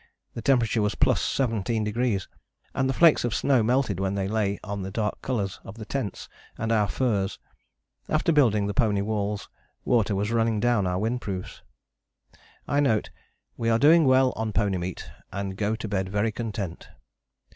The temperature was +17° and the flakes of snow melted when they lay on the dark colours of the tents and our furs. After building the pony walls water was running down our windproofs. I note "we are doing well on pony meat and go to bed very content."